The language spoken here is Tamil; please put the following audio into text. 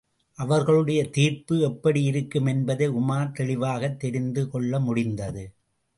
அவர்களுடைய தீர்ப்பு எப்படியிருக்கும் என்பதை உமார் தெளிவாகத் தெரிந்து கொள்ள முடிந்தது.